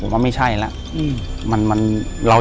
อยู่ที่แม่ศรีวิรัยิลครับ